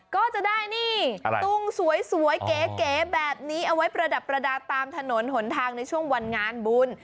ก็จะได้นี่ตุ้งสวยเก๋แบบนี้เอาไว้ประดับประดาษตามถนนหนทางในช่วงวันงานบุญ